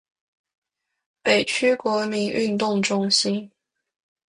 北区国民运动中心